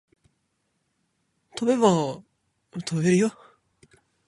飛べば飛べるよ